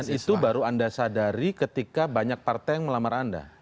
dan itu baru anda sadari ketika banyak partai yang melamar anda